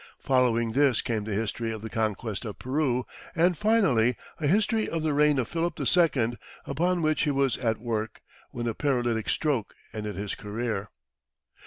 Following this came the history of the conquest of Peru, and finally a history of the reign of Philip II, upon which he was at work, when a paralytic stroke ended his career.